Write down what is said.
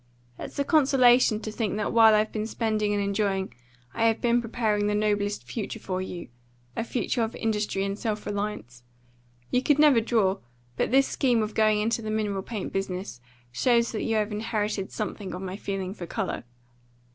It's a consolation to think that while I've been spending and enjoying, I have been preparing the noblest future for you a future of industry and self reliance. You never could draw, but this scheme of going into the mineral paint business shows that you have inherited something of my feeling for colour."